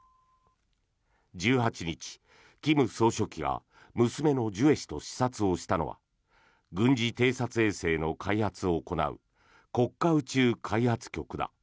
１８日、金総書記が娘のジュエ氏と視察したのが軍事偵察衛星の開発を行う国家宇宙開発局だ。